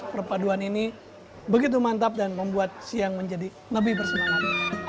perpaduan ini begitu mantap dan membuat siang menjadi lebih bersemangat